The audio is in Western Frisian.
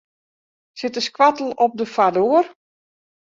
Sit de skoattel op de foardoar?